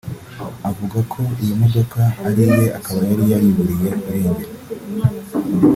avuga ko iyo modoka ariye akaba yari yayiburiye irengero